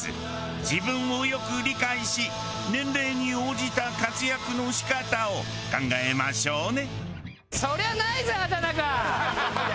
自分をよく理解し年齢に応じた活躍の仕方を考えましょうね。